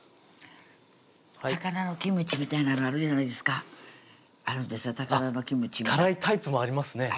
高菜のキムチみたいなのあるじゃないですかあっ辛いタイプもありますね